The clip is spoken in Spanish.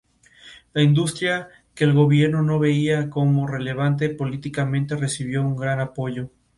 Joaquín Crespo nació en San Francisco de Cara, estado Aragua.